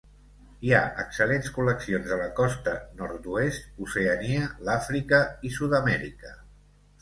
Hi ha excel·lents col·leccions de la costa nord-oest, Oceania, l'Àfrica i Sud-amèrica.